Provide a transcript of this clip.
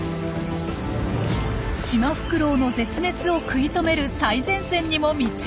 シマフクロウの絶滅を食い止める最前線にも密着。